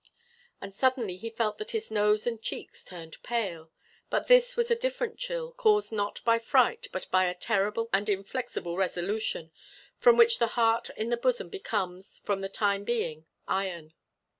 And suddenly he felt that his nose and cheeks turned pale, but this was a different chill, caused not by fright, but by a terrible and inflexible resolution from which the heart in the bosom becomes, for the time being, iron.